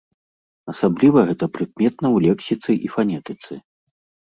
Асабліва гэта прыкметна ў лексіцы і фанетыцы.